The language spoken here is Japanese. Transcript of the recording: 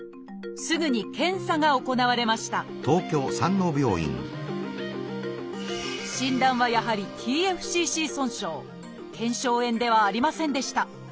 すぐに検査が行われました診断はやはり腱鞘炎ではありませんでした。